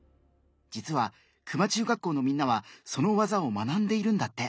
実は球磨中学校のみんなはその技を学んでいるんだって。